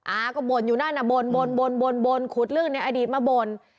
อาก็บ่นอยู่นั่นน่ะบ่นขุดเรื่องในอดีตมาบ่น